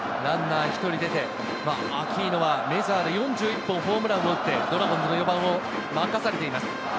ランナー１人出て、アキーノはメジャーで４１本ホームランを打って、ドラゴンズの４番を任されています。